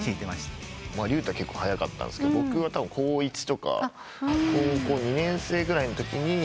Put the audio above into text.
ＲＹＵ−ＴＡ結構早かったんですけど僕は高１とか高校２年生ぐらいのときに。